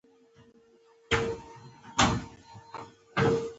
جانداد د احساساتو لطافت لري.